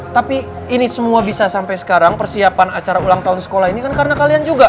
tapi ini semua bisa sampai sekarang persiapan acara ulang tahun sekolah ini kan karena kalian juga